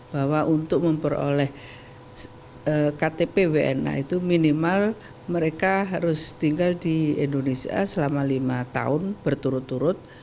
bahwa untuk memperoleh ktp wna itu minimal mereka harus tinggal di indonesia selama lima tahun berturut turut